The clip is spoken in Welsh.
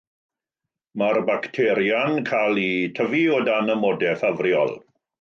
Mae'r bacteria'n cael eu tyfu o dan amodau ffafriol.